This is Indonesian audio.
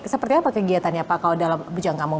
seperti apa kegiatannya pak kalau dalam bidang kampung